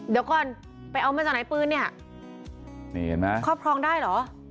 เดี๋ยวก่อนไปเอามาจากไหนปืนเนี่ยนี่เห็นไหมครอบครองได้เหรอ